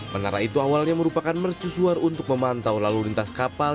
menara itu awalnya merupakan mercusuar untuk memantau lalu lintas kapal